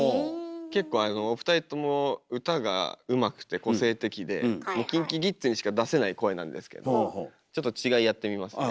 結構あのお二人とも歌がうまくて個性的でＫｉｎＫｉＫｉｄｓにしか出せない声なんですけどちょっと違いやってみますね。